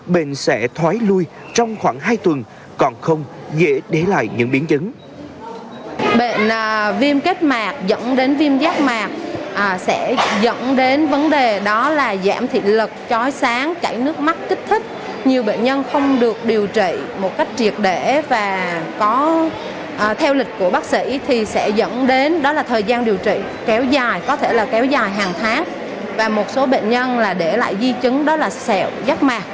bệnh sẽ thoái lui trong khoảng hai tuần còn không dễ để lại những biến chứng